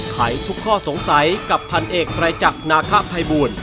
ไขทุกข้อสงสัยกับพันเอกไตรจักรนาคพายบูรณ์